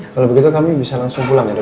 kalau begitu kami bisa langsung pulang ya dok